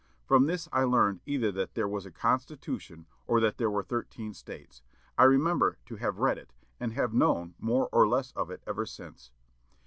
From this I learned either that there was a Constitution, or that there were thirteen States. I remember to have read it, and have known more or less of it ever since."